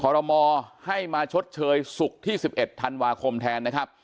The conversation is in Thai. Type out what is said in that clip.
รมอให้มาชดเชยศุกร์ที่๑๑ธันวาคมแทนนะครับ